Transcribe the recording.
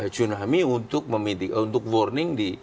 tentang tsunami untuk warning